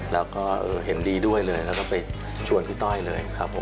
แล้วก็เห็นดีด้วยเลยแล้วก็ไปชวนพี่ต้อยเลยครับผม